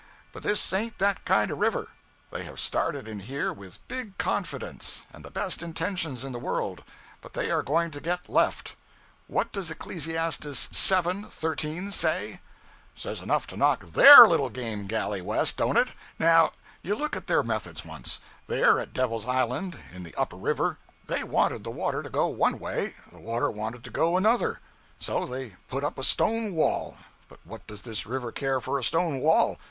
But this ain't that kind of a river. They have started in here with big confidence, and the best intentions in the world; but they are going to get left. What does Ecclesiastes vii. 13 say? Says enough to knock _their _little game galley west, don't it? Now you look at their methods once. There at Devil's Island, in the Upper River, they wanted the water to go one way, the water wanted to go another. So they put up a stone wall. But what does the river care for a stone wall?